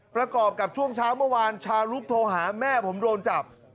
ประกอบกับช่วงเช้าเมื่อวานชาลุกโทรหาแม่ผมโดนจับ